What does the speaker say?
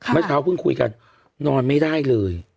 เมื่อเช้าเพิ่งคุยกันนอนไม่ได้เลย